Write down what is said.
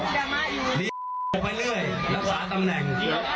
เรียงกับรักษาตำแหน่ง